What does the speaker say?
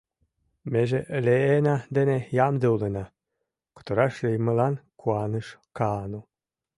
— Меже Леэна дене ямде улына, — кутыраш лиймылан куаныш Каану.